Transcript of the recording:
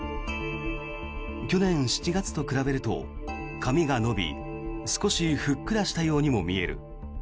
去年７月と比べると髪が伸び少しふっくらしたようにも見える。